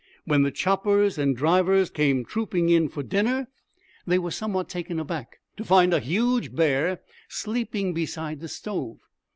When the choppers and drivers came trooping in for dinner, they were somewhat taken aback to find a huge bear sleeping beside the stove.